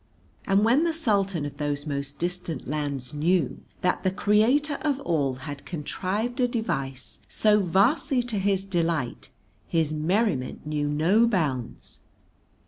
And when the Sultan of those most distant lands knew that the Creator of All had contrived a device so vastly to his delight his merriment knew no bounds.